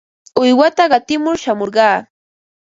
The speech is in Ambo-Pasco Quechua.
Uywata qatimur shamurqaa.